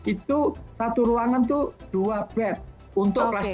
itu satu ruangan itu dua bed untuk kelas tiga